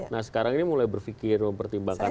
nah sekarang ini mulai berpikir mempertimbangkan